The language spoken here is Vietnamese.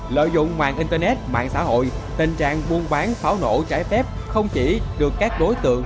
lợi dụng mạng internet mạng xã hội tình trạng buôn bán pháo nổ trái phép không chỉ được các đối tượng